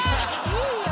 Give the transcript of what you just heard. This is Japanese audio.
いいよ